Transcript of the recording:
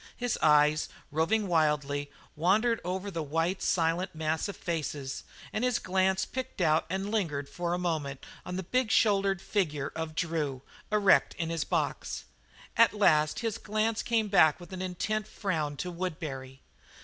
His eyes, roving wildly, wandered over the white, silent mass of faces, and his glance picked out and lingered for a moment on the big shouldered figure of Drew, erect in his box. At last his glance came back with an intent frown to Woodbury.